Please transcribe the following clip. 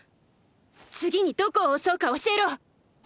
次にどこを襲うか教えろ！